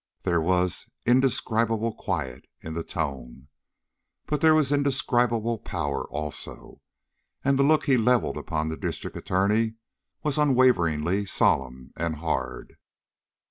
There was indescribable quiet in the tone, but there was indescribable power also, and the look he levelled upon the District Attorney was unwaveringly solemn and hard.